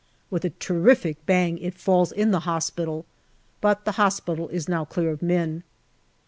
With a terrific bang it falls in the hospital, but the hospital is now clear of men.